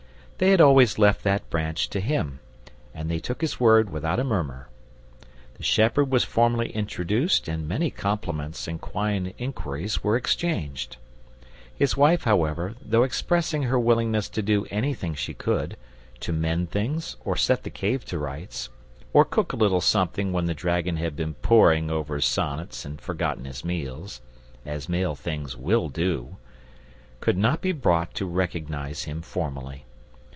They had always left that branch to him, and they took his word without a murmur. The shepherd was formally introduced and many compliments and kind inquiries were exchanged. His wife, however, though expressing her willingness to do anything she could to mend things, or set the cave to rights, or cook a little something when the dragon had been poring over sonnets and forgotten his meals, as male things WILL do, could not be brought to recognize him formally.